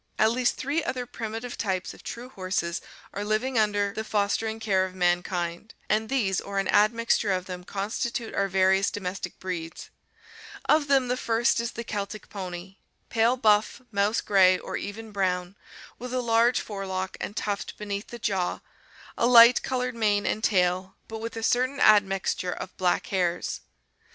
At least three other primitive types of true horses are living under 622 ORGANIC EVOLUTION the fostering care of mankind, and these or an admixture of them constitute our various domestic breeds. Of them the first is the Celtic pony — pale buff, mouse gray, or even brown, with a large forelock and tuft beneath the jaw, a light colored mane and tail, but with a certain admixture of black hairs.